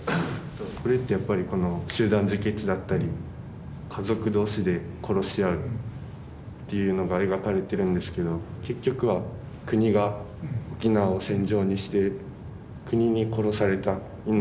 これってやっぱり集団自決だったり家族同士で殺し合うっていうのが描かれてるんですけど結局は国が沖縄を戦場にして国に殺された命。